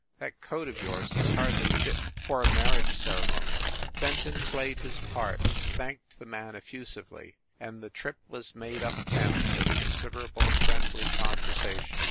That coat of yours is hardly fit for a marriage ceremony." Fenton played his part, thanked the man effu sively, and the trip was made up town with consid erable friendly conversation.